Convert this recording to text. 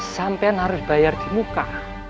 sampean harus bayar di muka